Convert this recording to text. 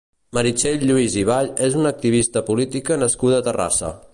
Meritxell Lluís i Vall és una activista política nascuda a Terrassa.